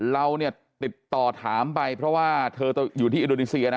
เราเนี่ยติดต่อถามไปเพราะว่าเธออยู่ที่อินโดนีเซียนะ